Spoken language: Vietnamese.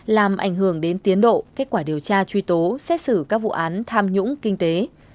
làm ảnh hưởng đến tiến độ kết quả điều tra truy tố xét xử các vụ án tham nhũng kinh tế